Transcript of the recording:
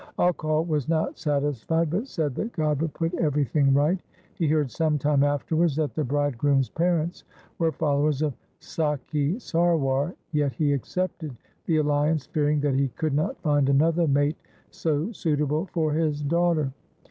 Akal was not satis fied, but said that God would put everything right. He heard some time afterwards that the bride groom's parents were followers of Sakhi Sarwar, 1 yet he accepted the alliance fearing that he could not find another mate so suitable for his daughter.